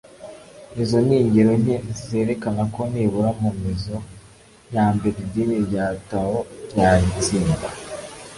izo ni ingero nke zerekana ko nibura mu mizo ya mbere idini rya tao ryari itsinda